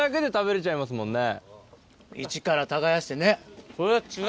イチから耕してね。